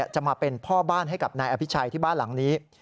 จะมาเป็นพ่อบ้านให้กับนายอภิชัยที่บ้านหลังนี้